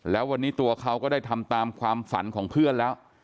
แล้ววันนี้ตัวเขาก็ได้ทำตามความฝันของเพื่อนแล้ว